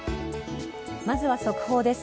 まずは速報です。